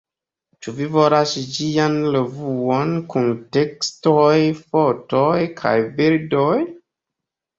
Ĉu vi volas ĝian revuon kun tekstoj, fotoj kaj bildoj?